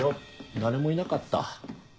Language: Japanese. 誰もいなかった。